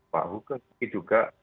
pak hukum tapi juga